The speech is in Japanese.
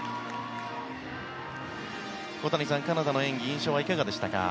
小谷さん、カナダの演技印象はいかがでしたか。